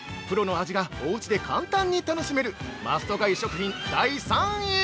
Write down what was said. プロの味がお家で簡単に楽しめる、マスト買い食品第３位！